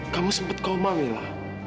kamu sempat koma mila